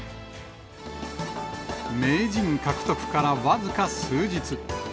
名人獲得から僅か数日。